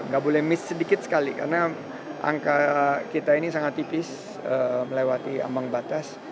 gak boleh miss sedikit sekali karena angka kita ini sangat tipis melewati ambang batas